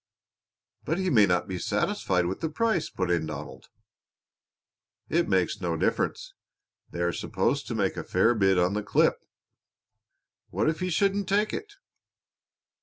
"But he may not be satisfied with the price," put in Donald. "It makes no difference. They are supposed to make a fair bid on the clip." "What if he shouldn't take it?"